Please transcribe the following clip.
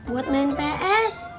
buat main ps